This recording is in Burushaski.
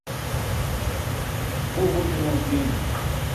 phuwe buṭ imoos diimi